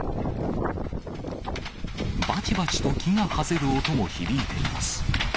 ばちばちと木がはぜる音も響いています。